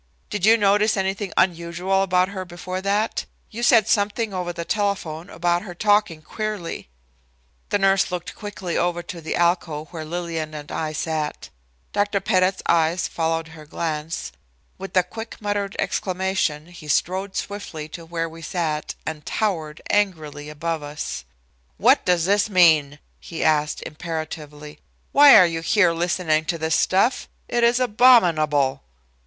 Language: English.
"Did you notice anything unusual about her before that? You said something over the telephone about her talking queerly." The nurse looked quickly over to the alcove where Lillian and I sat. Dr. Pettit's eyes followed her glance. With a quick muttered exclamation he strode swiftly to where we sat and towered angrily above us. "What does this mean?" he asked imperatively. "Why are you here listening to this stuff? It is abominable."